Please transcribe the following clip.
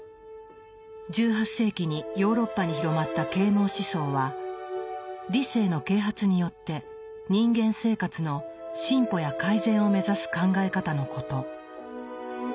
１８世紀にヨーロッパに広まった啓蒙思想は理性の啓発によって人間生活の進歩や改善を目指す考え方のこと。